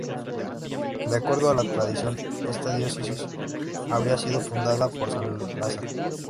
De acuerdo a la tradición, esta diócesis habría sido fundada por San Lázaro.